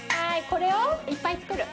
これをいっぱい作る。